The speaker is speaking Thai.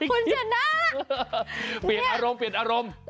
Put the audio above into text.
คุณชนะเปลี่ยนอารมณ์เปลี่ยนอารมณ์